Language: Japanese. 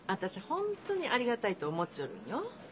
ホントにありがたいと思っちょるんよ。